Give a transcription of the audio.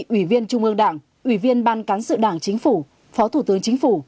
ủy viên trung ương đảng ủy viên ban cán sự đảng chính phủ phó thủ tướng chính phủ